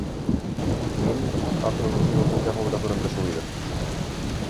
Lee ha producido muchas obras durante su vida.